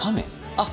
あっ！